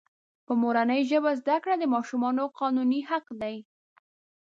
په مورنۍ ژبه زده کړه دماشومانو قانوني حق دی.